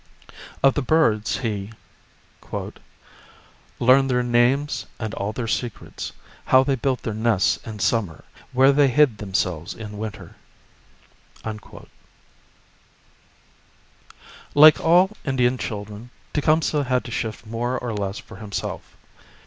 Of the birds he " Learned their names and all their secrets, How they built their nests in Summer. Where they Md themselves in Winter." Like all Indian children, Tecumseh had to shift more or less for himself.